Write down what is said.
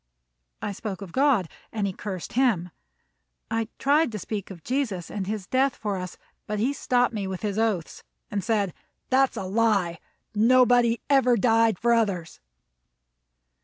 I spoke of God, and he cursed him. I tried to speak of Jesus and his death for us, but he stopped me with his oaths, and said: "That's all a lie. Nobody ever died for others."